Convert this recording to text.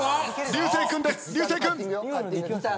流星君。